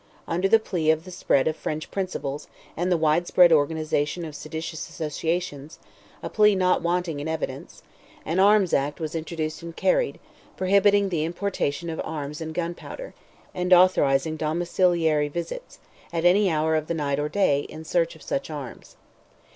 Under the plea of the spread of French principles, and the widespread organization of seditious associations—a plea not wanting in evidence—an Arms Act was introduced and carried, prohibiting the importation of arms and gunpowder, and authorizing domiciliary visits, at any hour of the night or day, in search of such arms.